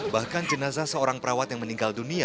bahkan jenazah seorang perawat yang meninggal dunia